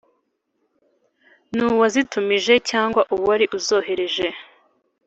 N’uwazitumije cyangwa uwari uzohereje